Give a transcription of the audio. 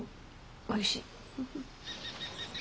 おいしい。